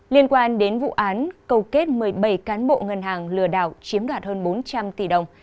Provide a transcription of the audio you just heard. liên quan đến vụ án cầu kết một mươi bảy cán bộ ngân hàng lừa đảo chiếm đoạt hơn bốn trăm linh tỷ đồng